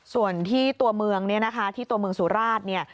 ส่วนที่ตัวเมืองเนี่ยนะคะที่ตัวเมืองสุราชเนี่ย